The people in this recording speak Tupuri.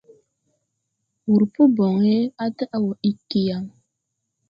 Wurpo boŋe á daʼ wɔ iggi yaŋ.